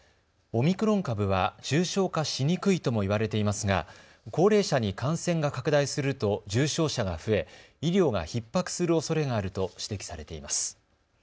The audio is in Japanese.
オミクロン株は重症化しにくいとも言われていますが高齢者に感染が拡大すると重症者が増え医療がひっ迫するおそれがあると指摘されています。